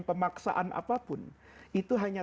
pemaksaan apapun itu hanya